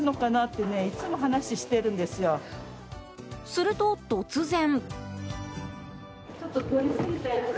すると突然。